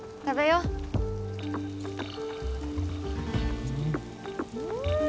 うん！